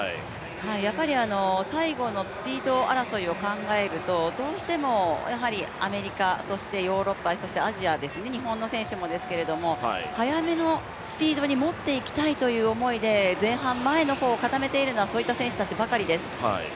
やはり最後のスピード争いを考えると、どうしてもアメリカ、そしてヨーロッパ、アジア、日本の選手もですけれども、速めのスピードに持っていきたいという思いで前半前の方、固めているのはそういった選手たちばかりです。